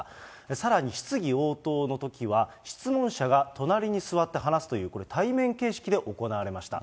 さらに質疑応答のときは、質問者が隣に座って話すという、対面形式で行われました。